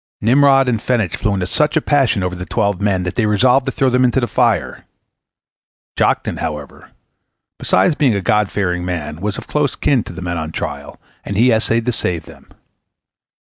Nimrod and Phenech flew into such a passion over the twelve men that they resolved to throw them into the fire. Joktan, however, besides being a God fearing man, was of close kin to the men on trial, and he essayed to save them.